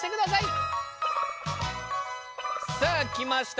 さあ来ました